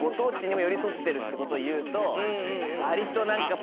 ってことをいうと。